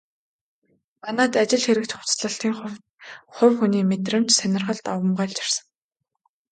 Манайд ажил хэрэгч хувцаслалтын хувьд хувь хүний мэдрэмж, сонирхол давамгайлж ирсэн.